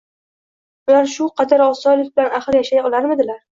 ular shu qadar osonlik bilan ahil yashay olarmidilar?